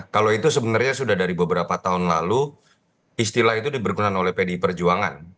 kalau itu sebenarnya sudah dari beberapa tahun lalu istilah itu diberkelkan oleh pdi perjuangan